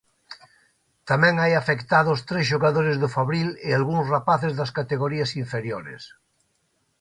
Tamén hai afectados tres xogadores do Fabril e algúns rapaces das categorías inferiores.